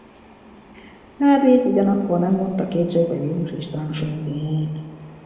Szervét ugyanakkor nem vonta kétségbe Jézus Istenségét.